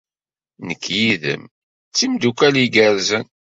Nekk yid-m d timeddukal igerrzen.